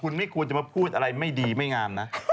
คุณไม่ควรจะมาพูดอะไรไม่ดีไม่งามนะ